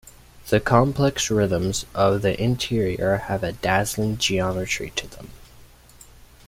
The complex rhythms of the interior have a dazzling geometry to them.